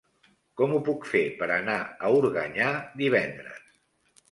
Com ho puc fer per anar a Organyà divendres?